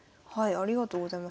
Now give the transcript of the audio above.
ありがとうございます。